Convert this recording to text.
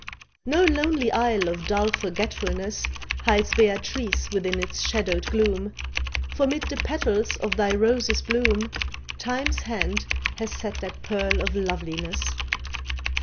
No lonely isle of dull forgetfulness Hides Beatrice within its shadowed gloom, For 'mid the petals of thy Rose's bloom Time's hand has set that pearl of loveliness.